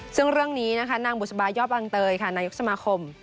ซึ่งเรื่องนี้นะคะนางบุษบายยอดอังเตยค่ะนายกสมาคม